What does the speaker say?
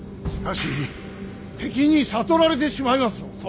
しかし敵に悟られてしまいますぞ。